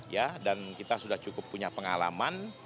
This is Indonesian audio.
ya dan kita sudah cukup punya pengalaman